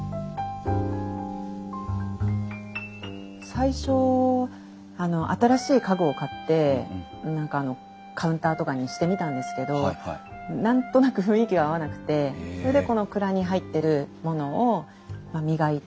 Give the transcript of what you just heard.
最初新しい家具を買って何かあのカウンターとかにしてみたんですけど何となく雰囲気が合わなくてそれでこの蔵に入ってるものを磨いて。